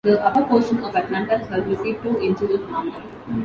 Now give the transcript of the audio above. The upper portion of "Atlanta"s hull received two inches of armor.